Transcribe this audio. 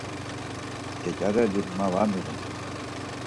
Geç̌areli ma va miğun.